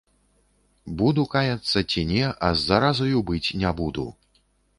Буду каяцца ці не, а з заразаю быць не буду.